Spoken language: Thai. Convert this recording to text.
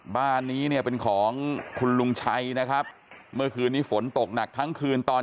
บ้านนี้เนี่ยเป็นของคุณลุงชัยนะครับเมื่อคืนนี้ฝนตกหนักทั้งคืนตอน